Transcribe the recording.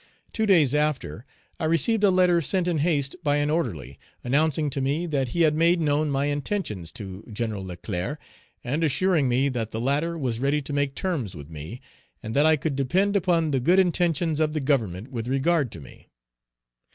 Two days after, I received a letter sent in haste by an orderly, announcing to me that he had made known my intentions Page 311 to Gen. Leclerc, and assuring me that the latter was ready to make terms with me, and that I could depend upon the good intentions of the Government with regard to me.